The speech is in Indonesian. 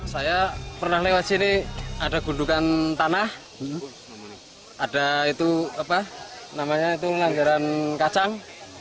saya pernah lewat sini ada gundukan tanah ada itu apa namanya itu nganggaran kacang